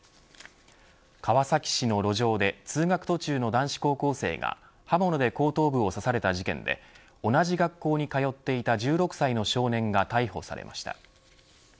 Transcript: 川崎市の路上で通学途中の男子高校生が刃物で後頭部を刺された事件で同じ学校に通っていた１６歳の少年が逮捕されました。